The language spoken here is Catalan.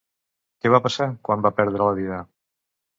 Què va passar quan va perdre la vida?